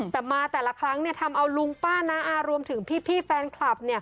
แต่มาแต่ละครั้งทำเอาลุงป้าน้าอารวมถึงพี่แฟนคลับ